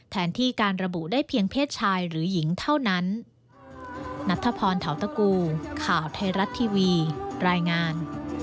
แทนที่การระบุได้เพียงเพศชายหรือหญิงเท่านั้น